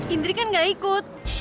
indri kan gak ikut